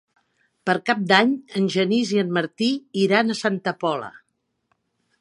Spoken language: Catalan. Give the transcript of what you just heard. Per Cap d'Any en Genís i en Martí iran a Santa Pola.